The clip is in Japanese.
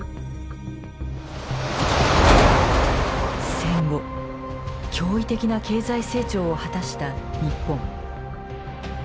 戦後驚異的な経済成長を果たした日本。